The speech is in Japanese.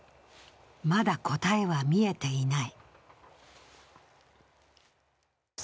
まだ答えは見えていない。